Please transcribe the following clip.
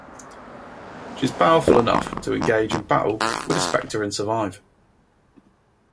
She is powerful enough to engage in battle with the Spectre and survive.